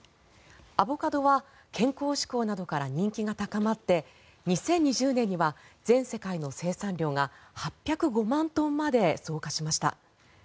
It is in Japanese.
アボカドは健康志向などから人気が高まって２０２０年には全世界の生産量が８０５万トンまで増加しました。